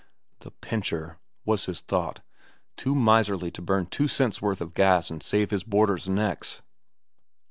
"The pincher," was his thought; "too miserly to burn two cents' worth of gas and save his boarders' necks."